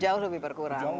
jauh lebih berkurang